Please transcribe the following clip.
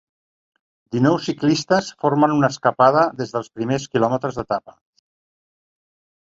Dinou ciclistes formen una escapada des dels primers quilòmetres d'etapa.